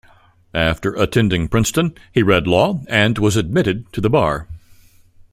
After attending Princeton, he read law and was admitted to the bar.